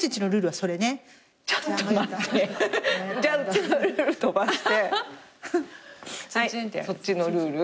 はいそっちのルール。